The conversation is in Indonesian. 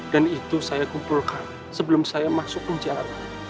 dan itu saya kumpulkan sebelum saya masuk penjara